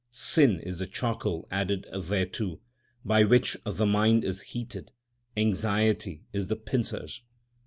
Sin is the charcoal added thereto, by which the mind is heated ; anxiety is the pincers.